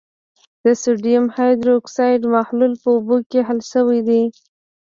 د سوډیم هایدروکسایډ محلول په اوبو کې حل شوی دی.